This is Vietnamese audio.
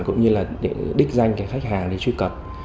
cũng như là để đích danh cái khách hàng để truy cập